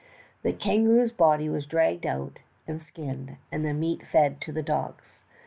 "The kangaroo's body was dragged out and skinned, and the meat fed to the dogs.